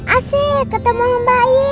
asyik ketemu om bayi